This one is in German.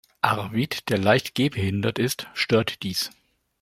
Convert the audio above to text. Arvid, der leicht gehbehindert ist, stört dies.